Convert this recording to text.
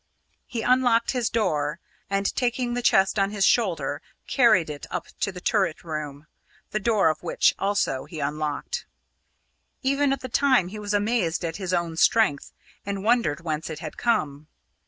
He unlocked his door, and, taking the chest on his shoulder, carried it up to the turret room, the door of which also he unlocked. Even at the time he was amazed at his own strength, and wondered whence it had come.